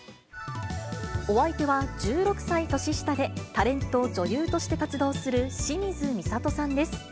お相手は１６歳年下で、タレント、女優として活動する清水みさとさんです。